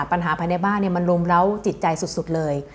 ปัญหาภายในบ้านมันรุมเล้าจิตใจสุดเลย